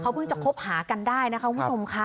เพิ่งจะคบหากันได้นะคะคุณผู้ชมค่ะ